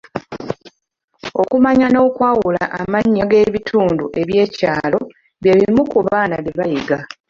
Okumanya n’okwawula amannya g’ebintu eby’enjawulo bye bimu ku baana bye bayiga.